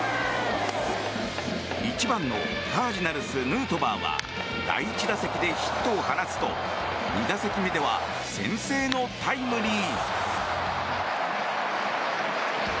１番のカージナルス、ヌートバーは第１打席でヒットを放つと２打席目では先制のタイムリー。